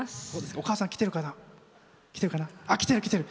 お母さん、来てるかな？来てる、来てる。